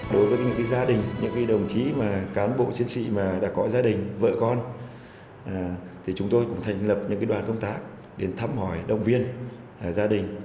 đối với những gia đình những đồng chí mà cán bộ chiến sĩ mà đã có gia đình vợ con thì chúng tôi cũng thành lập những đoàn công tác đến thăm hỏi động viên gia đình